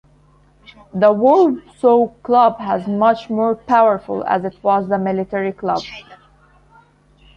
The Warsaw club was much more powerful as it was the military club.